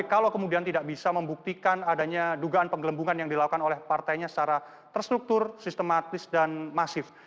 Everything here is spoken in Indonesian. kalau kemudian tidak bisa membuktikan adanya dugaan penggelembungan yang dilakukan oleh partainya secara terstruktur sistematis dan masif